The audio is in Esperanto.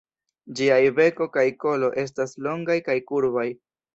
Ĝiaj beko kaj kolo estas longaj kaj kurbaj.